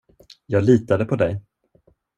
Jag litade på dig.